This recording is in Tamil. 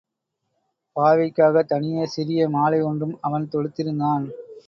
பாவைக்காகத் தனியே சிறிய மாலை ஒன்றும் அவன் தொடுத்திருந்தான்.